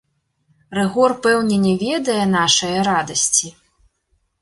Рыгор, пэўне, не ведае нашае радасці?